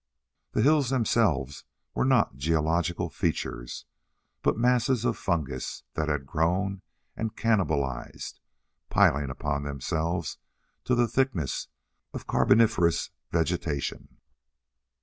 The hills themselves were not geological features, but masses of fungus that had grown and cannibalized, piling up upon themselves to the thickness of carboniferous vegetation.